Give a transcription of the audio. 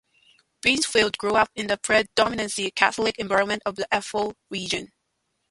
Binsfeld grew up in the predominantly Catholic environment of the Eifel region.